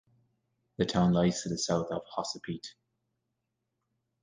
The town lies to the south of Hosapete.